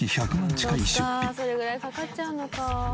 それぐらいかかっちゃうのか。